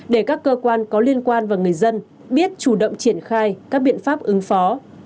để các cơ quan có liên quan và người dân biết chủ động triển khai các biện pháp ứng phó